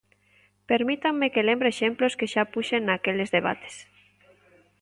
Permítanme que lembre exemplos que xa puxen naqueles debates.